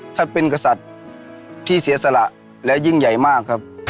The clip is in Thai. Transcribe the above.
ท่านเป็นกษัตริย์ที่เสียสละและยิ่งใหญ่มากครับ